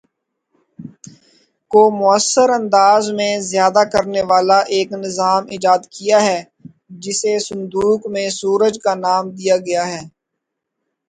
کو مؤثر انداز میں ذیادہ کرنے والا ایک نظام ایجاد کیا ہے جسے صندوق میں سورج کا نام دیا گیا ہے